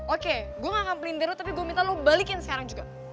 oke gue gak akan pelintir tapi gue minta lo balikin sekarang juga